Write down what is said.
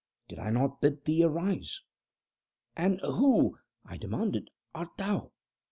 did I not bid thee arise?" "And who," I demanded, "art thou?"